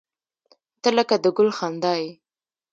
• ته لکه د ګل خندا یې.